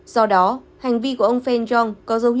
do đó hành vi của ông feng yong có thể được tạo ra